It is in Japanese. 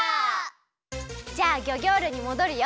じゃあギョギョールにもどるよ！